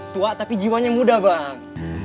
tua tapi jiwanya muda bang